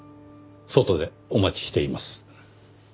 外でお待ちしています。